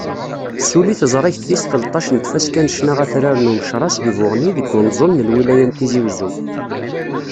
Tessuli teẓrigt tis tleṭṭac n tfaska n ccna atrar n Umecras di Buɣni deg unẓul n lwilaya n Tizi Uzzu.